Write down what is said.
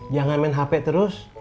jangan main hp terus